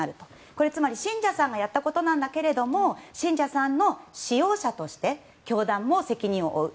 これはつまり信者さんがやったことなんだけれども信者さんの使用者として教団も責任を負う。